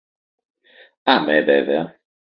Αμέ βέβαια!